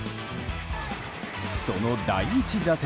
その第１打席。